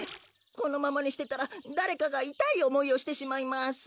このままにしてたらだれかがいたいおもいをしてしまいます。